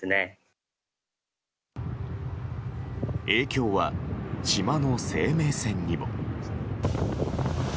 影響は島の生命線にも。